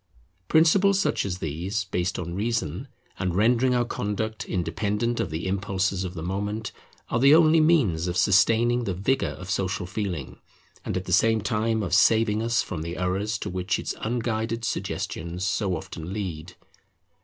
Principles such as these, based on reason, and rendering our conduct independent of the impulses of the moment, are the only means of sustaining the vigour of Social Feeling, and at the same time of saving us from the errors to which its unguided suggestions so often lead.